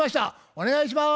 お願いします。